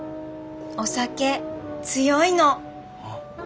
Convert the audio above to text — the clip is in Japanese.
お酒強いの。